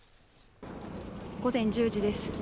午前１０時です